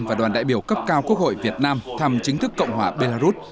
và đoàn đại biểu cấp cao quốc hội việt nam thăm chính thức cộng hòa belarus